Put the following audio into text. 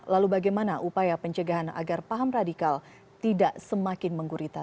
lalu bagaimana upaya pencegahan agar paham radikal tidak semakin menggurita